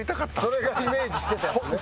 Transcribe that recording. それがイメージしてたやつ？